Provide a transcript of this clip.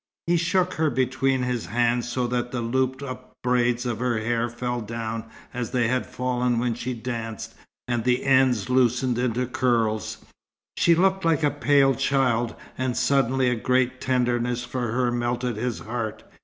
He shook her between his hands, so that the looped up braids of her hair fell down, as they had fallen when she danced, and the ends loosened into curls. She looked like a pale child, and suddenly a great tenderness for her melted his heart.